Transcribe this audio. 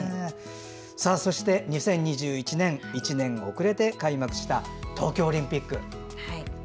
そして２０２１年１年遅れて開幕した東京オリンピック。